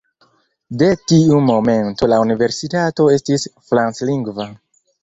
De tiu momento la universitato estis franclingva.